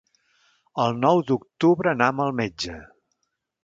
El nou d'octubre anam al metge.